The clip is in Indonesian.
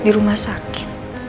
di rumah sakit